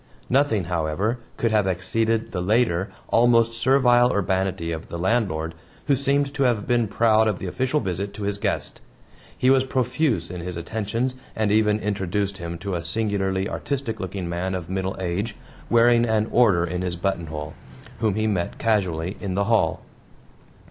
Nothing, however, could have exceeded the later almost servile urbanity of the landlord, who seemed to have been proud of the official visit to his guest. He was profuse in his attentions, and even introduced him to a singularly artistic looking man of middle age, wearing an order in his buttonhole, whom he met casually in the hall.